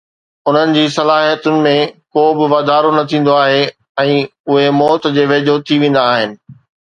انهن جي صلاحيتن ۾ ڪو به واڌارو نه ٿيندو آهي ۽ اهي موت جي ويجهو ٿي ويندا آهن